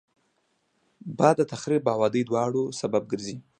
باد د تخریب او آبادي دواړو سبب ګرځي